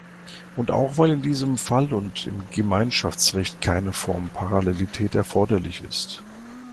Und auch, weil in diesem Fall und im Gemeinschaftsrecht keine Formparallelität erforderlich ist.